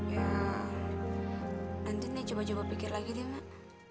ya nanti nia coba coba pikir lagi deh mak